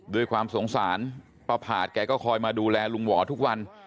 ด้วยความสงสารป้าผาดแกก็คอยมาดูแลลุงหวอทุกวัน